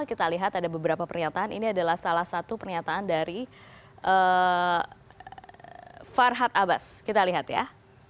kita lihat ada beberapa pernyataan ini adalah salah satu pernyataan dari farhad abbas kita lihat ya